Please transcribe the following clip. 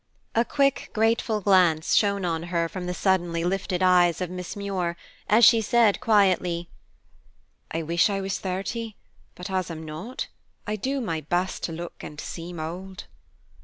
A quick, grateful glance shone on her from the suddenly lifted eyes of Miss Muir, as she said quietly, "I wish I was thirty, but, as I am not, I do my best to look and seem old."